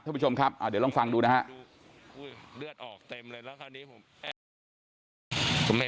ท่านผู้ชมครับเดี๋ยวลองฟังดูนะฮะ